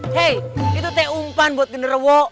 hei itu teh umpan buat gender wo